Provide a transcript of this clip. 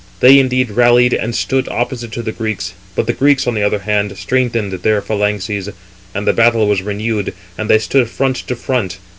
They indeed rallied, and stood opposite to the Greeks; but the Greeks, on the other hand, strengthened their phalanxes. And the battle was renewed, and they stood front to front.